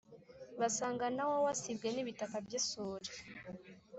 Basanga na wo wasibywe n’ ibitaka by’isuri